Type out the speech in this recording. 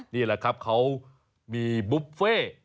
นี่แหละครับเขามีบุฟเฟ่